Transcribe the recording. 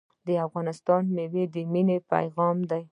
د افغانستان میوه د مینې پیغام دی.